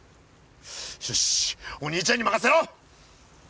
よしお兄ちゃんに任せろ！